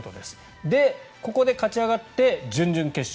ここで勝ち上がって、準々決勝。